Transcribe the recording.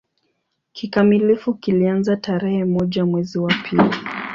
Kikamilifu kilianza tarehe moja mwezi wa pili